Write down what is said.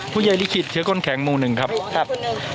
ผู้ใหญ่ลิขิตเชื้อก้นแข็งมูลหนึ่งครับ